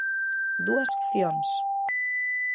Dúas opcións.